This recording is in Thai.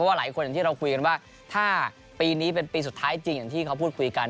หลายคนอย่างที่เราคุยกันว่าถ้าปีนี้เป็นปีสุดท้ายจริงอย่างที่เขาพูดคุยกัน